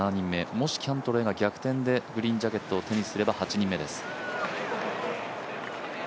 もしキャントレーが逆転でグリーンジャケットを手にすれば８人目です。